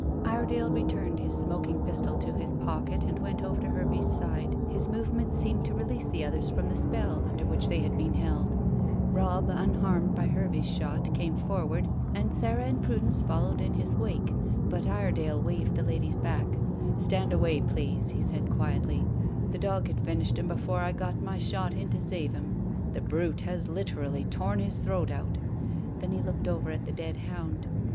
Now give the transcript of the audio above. Iredale returned his smoking pistol to his pocket, and went over to Hervey's side. His movements seemed to release the others from the spell under which they had been held. Robb, unharmed by Hervey's shot, came forward, and Sarah and Prudence followed in his wake. But Iredale waved the ladies back. "Stand away, please," he said quietly. "The dog had finished him before I got my shot in to save him. The brute has literally torn his throat out." Then he looked over at the dead hound.